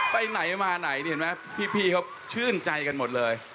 ไปไหนมาไหนพี่เขาชื่นใจกันหมดเลย